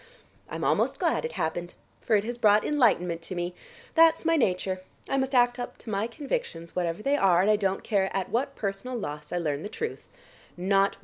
I'm almost glad it happened, for it has brought enlightenment to me. That's my nature. I must act up to my convictions whatever they are and I don't care at what personal loss I learn the truth.